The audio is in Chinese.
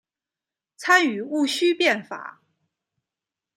参与戊戌变法。